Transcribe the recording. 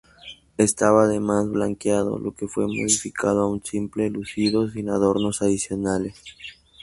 Estaba además blanqueado, lo que fue modificado a un simple enlucido sin adornos adicionales.